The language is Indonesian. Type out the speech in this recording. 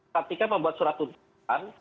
ketika membuat surat tuntutan